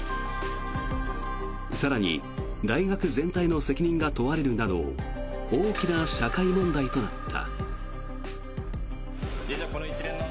更に、大学全体の責任が問われるなど大きな社会問題となった。